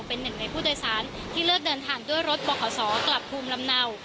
เป็นหนึ่งในผู้โดยสารที่เลือกเดินทางด้วยรถบขศกลับภูมิลำเนา